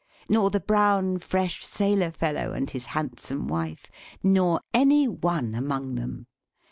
Nor the brown, fresh sailor fellow, and his handsome wife. Nor any one among them.